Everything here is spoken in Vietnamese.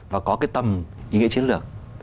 và có cái tầm ý nghĩa chiến lược